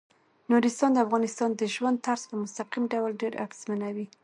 نورستان د افغانانو د ژوند طرز په مستقیم ډول ډیر اغېزمنوي.